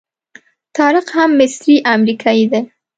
طارق هم مصری امریکایي دی.